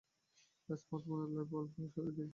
স্মার্টফোনের live wallpaper সরিয়ে দিন।